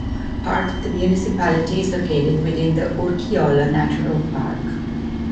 Part of the municipality is located within the Urkiola Natural Park.